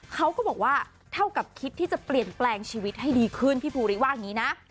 เขาก็บอกว่าเท่ากับคิดที่จะเปลี่ยนแปลงชีวิตให้ดีขึ้นพี่ภูริว่าอย่างนี้นะ